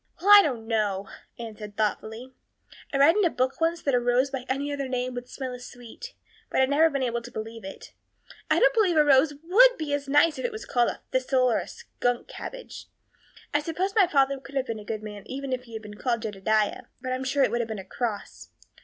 "Well, I don't know." Anne looked thoughtful. "I read in a book once that a rose by any other name would smell as sweet, but I've never been able to believe it. I don't believe a rose would be as nice if it was called a thistle or a skunk cabbage. I suppose my father could have been a good man even if he had been called Jedediah; but I'm sure it would have been a cross.